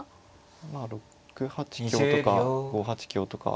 まあ６八香とか５八香とか。